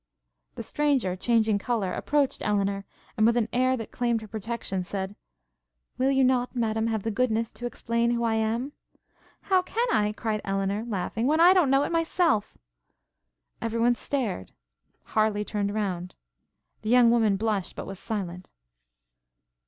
The stranger, changing colour, approached Elinor, and with an air that claimed her protection, said, 'Will you not, Madam, have the goodness to explain who I am?' 'How can I,' cried Elinor, laughing, 'when I don't know it myself?' Every one stared; Harleigh turned round; the young woman blushed, but was silent.